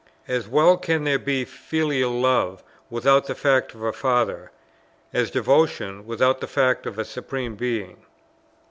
As well can there be filial love without the fact of a father, as devotion without the fact of a Supreme Being.